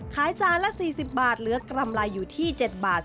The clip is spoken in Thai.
ขายจานละสี่สิบบาทเหลือกรำไรอยู่ที่เจ็ดบาท